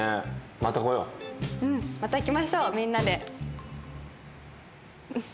また来ましょうみんなで。